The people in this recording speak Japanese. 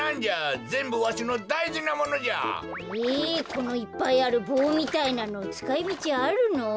このいっぱいあるぼうみたいなのつかいみちあるの？